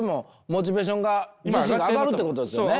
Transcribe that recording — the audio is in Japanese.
モチベーションが上がるってことですよね。